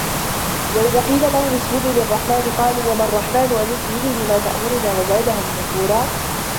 وَإِذا قيلَ لَهُمُ اسجُدوا لِلرَّحمنِ قالوا وَمَا الرَّحمنُ أَنَسجُدُ لِما تَأمُرُنا وَزادَهُم نُفورًا